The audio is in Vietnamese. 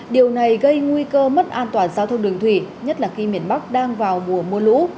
điều này gây nguy cơ mất an toàn giao thông đường thủy nhất là khi miền bắc đang vào mùa mưa lũ